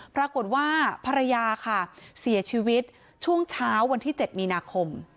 ภรรยาค่ะเสียชีวิตช่วงเช้าวันที่๗มีนาคม